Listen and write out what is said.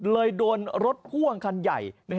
เลยโดนรถข่วงขันใหญ่